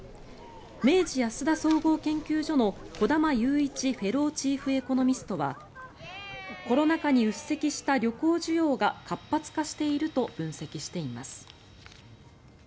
明治安田総合研究所の小玉祐一フェローチーフエコノミストはコロナ禍にうっ積した旅行需要が活発化していると分析しています。